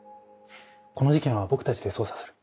この事件は僕たちで捜査する。